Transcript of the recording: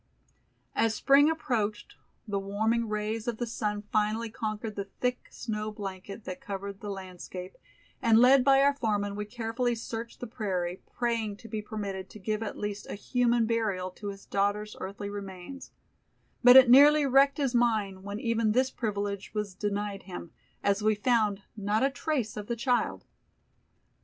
] As Spring approached the warming rays of the sun finally conquered the thick snow blanket that covered the landscape, and led by our foreman we carefully searched the prairie, praying to be permitted to give at least a human burial to his daughter's earthly remains, but it nearly wrecked his mind when even this privilege was denied him, as we found not a trace of the child.